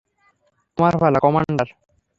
তোমার পালা, কমান্ডার।